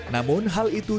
namun hal itu